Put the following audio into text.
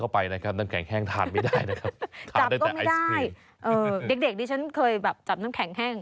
ไปแบบจับน้ำแข็งแห้ง